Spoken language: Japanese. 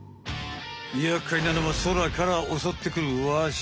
やっかいなのは空からおそってくるワシ。